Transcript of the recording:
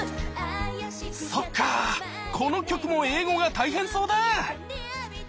そっかこの曲も英語が大変そうだ！